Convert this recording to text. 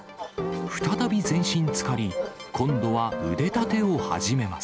再び全身つかり、今度は腕立てを始めます。